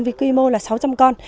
vì quy mô là sáu trăm linh con